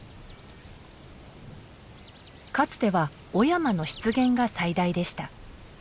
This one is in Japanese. かつては雄山の湿原が最大でした。